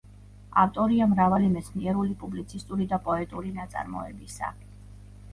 ავტორია მრავალი მეცნიერული პუბლიცისტური და პოეტური ნაწარმოებისა.